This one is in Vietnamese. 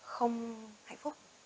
không hạnh phúc